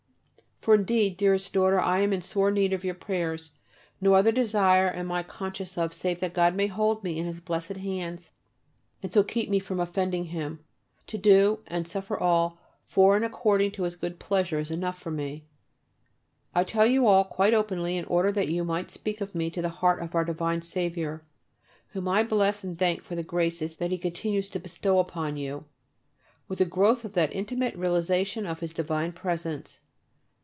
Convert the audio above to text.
For indeed, dearest daughter, I am in sore need of your prayers; no other desire am I conscious of save that God may hold me in His blessed hands and so keep me from offending Him. To do and suffer all, for and according to His good pleasure, is enough for me. I tell you all quite openly in order that you may speak of me to the Heart of our divine Saviour, whom I bless and thank for the graces that He continues to bestow upon you, with the growth of that intimate realization of His divine presence.